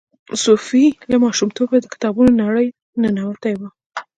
صوفي له ماشومتوبه د کتابونو نړۍ ننوتې وه.